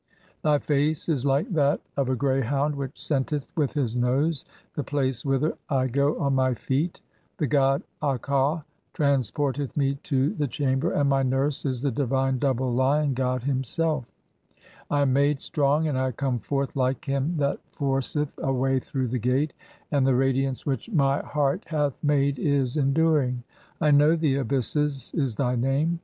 Thy face is like that of a "greyhound which scenteth with his nose the place whither I "go on my feet. The god (19) Akau transporteth me to the "chamber (?), and [my] nurse is the divine double Lion god him "self. I am made strong and I (20) come forth like him that "forceth a way through the gate, and the radiance which my 114 THE CHAPTERS OF COMING FORTH BY DAY. "heart hath made is enduring ; 'I know the abysses' is thy name.